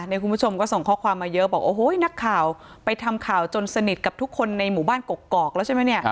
คุณผู้ชมก็ส่งข้อความมาเยอะบอกโอ้โหนักข่าวไปทำข่าวจนสนิทกับทุกคนในหมู่บ้านกกอกแล้วใช่ไหมเนี่ย